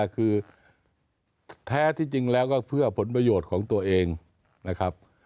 คือแท้ที่จริงแล้วก็เพื่อผลประโยชน์ของตัวเองนะครับ